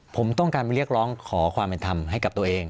ผมต้องการไปเรียกร้องขอความเป็นธรรมให้กับตัวเอง